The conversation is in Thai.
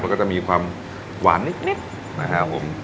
มันก็จะมีความหวานนิดนะครับผม